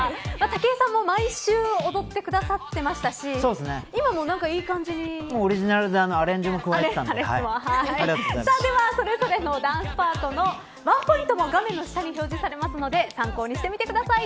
武井さんも毎週踊ってくださってましたしオリジナルでアレンジも加えていたのでではそれぞれのダンスパートのワンポイントも画面の下に表示されますので参考にしてみてください。